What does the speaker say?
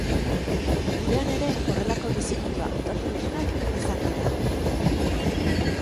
Gurean ere horrelako bizimodua hautatu dutenak izan dira.